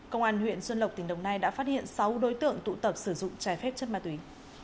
công an huyện xuân lộc tỉnh đồng nai đã phát hiện sáu đối tượng tụ tập sử dụng trái phép chất ma túy